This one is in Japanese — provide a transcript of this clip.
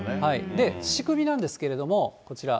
仕組みなんですけども、こちら。